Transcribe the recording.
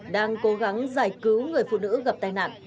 đang cố gắng giải cứu người phụ nữ gặp tai nạn